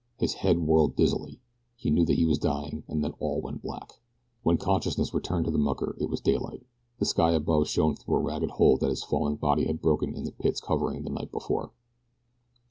His head whirled dizzily. He knew that he was dying, and then all went black. When consciousness returned to the mucker it was daylight. The sky above shone through the ragged hole that his falling body had broken in the pit's covering the night before.